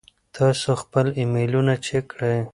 تاسو خپل ایمیلونه چیک کړئ.